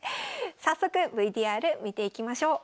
早速ＶＴＲ見ていきましょう。